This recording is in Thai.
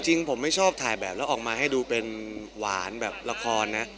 จริงผมไม่ชอบถ่ายแบบแล้วออกมาให้ดูเป็นหวานแบบละครนะ